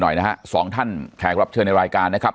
หน่อยนะฮะสองท่านแขกรับเชิญในรายการนะครับ